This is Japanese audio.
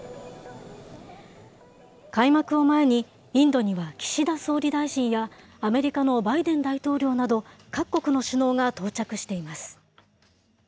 開幕を前に、インドには岸田総理大臣や、アメリカのバイデン大統領など、各国の首脳が到着しています。